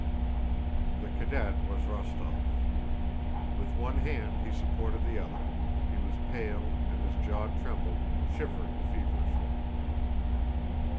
The cadet was Rostóv. With one hand he supported the other; he was pale and his jaw trembled, shivering feverishly.